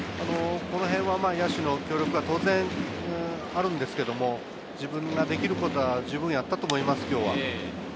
野手の協力は当然あるんですけれど、自分ができることは十分やったと思います。